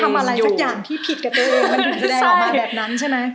ต้องทำอะไรสักอย่างที่ผิดกับเธอเลยมันแบบนั้นใช่ไหม